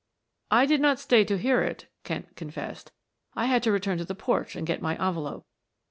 "I did not stay to hear it," Kent confessed. "I had to return to the porch and get my envelope."